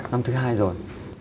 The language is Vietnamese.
năm thứ hai rồi